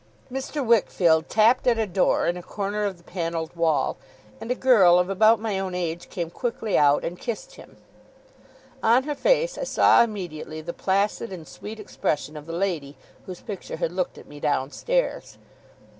Mr. Wickfield tapped at a door in a corner of the panelled wall, and a girl of about my own age came quickly out and kissed him. On her face, I saw immediately the placid and sweet expression of the lady whose picture had looked at me downstairs.